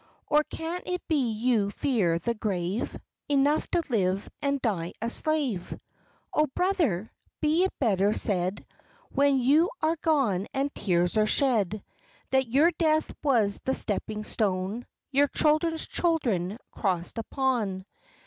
Or can it be you fear the grave Enough to live and die a slave? O Brother! be it better said, When you are gone and tears are shed, That your death was the stepping stone Your children's children cross'd upon.